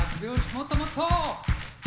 もっともっと！